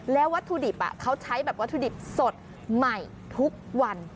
แล้ววัตถุดิบเขาใช้แบบวัตถุดิบสดใหม่ทุกวัน